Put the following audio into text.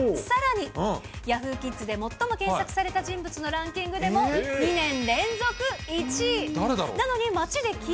さらに、Ｙａｈｏｏ！きっずで最も検索された人物のランキングでも、２年連続１位。